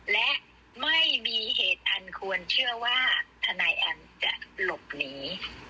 และไม่มีเหตุอันควรเชื่อว่าทนายแอมจะหลบหนี